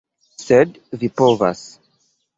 Sed vi povas...